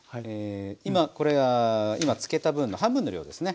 今これは今漬けた分の半分の量ですね。